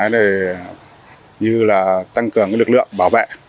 như là tăng cường lực lượng bảo vệ